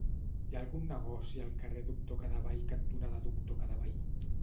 Hi ha algun negoci al carrer Doctor Cadevall cantonada Doctor Cadevall?